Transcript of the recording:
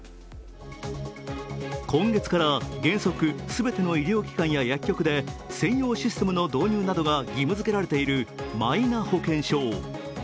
今月から原則全ての医療機関や薬局で、専用システムの導入などが義務づけられているマイナ保険証。